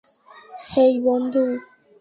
হেই, বন্ধু!